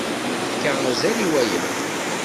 Nefka azal i waya.